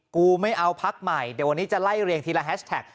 กูไม่เอาพักใหม่เดี๋ยววันนี้จะไล่เรียงทีละแฮชแท็ก